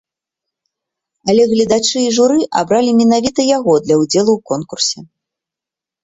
Але гледачы і журы абралі менавіта яго для ўдзелу ў конкурсе.